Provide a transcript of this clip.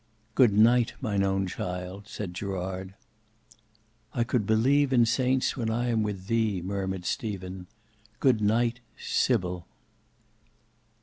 "Good night, mine own child," said Gerard. "I could believe in saints when I am with thee," murmured Stephen; "Good night,—SYBIL."